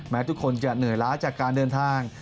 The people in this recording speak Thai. ทุกคนจะเหนื่อยล้าจากการเดินทาง